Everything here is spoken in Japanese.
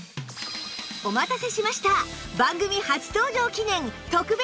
お待たせしました